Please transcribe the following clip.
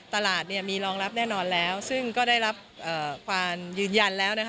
ตลาดเนี่ยมีรองรับแน่นอนแล้วซึ่งก็ได้รับความยืนยันแล้วนะคะ